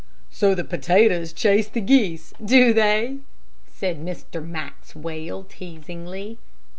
"So the potatoes chase the geese, do they," said Mr. Maxwell, teasingly.